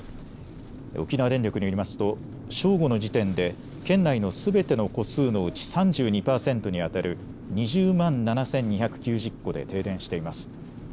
沖縄電力によりますと正午の時点で県内のすべての戸数のうち３２％にあたる２０万７２９０戸で停電しています。